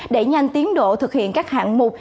để nhanh tiến độ thực hiện các hạng mục